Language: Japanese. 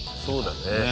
そうだね。